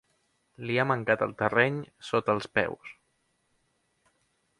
Li ha mancat el terreny sota els peus.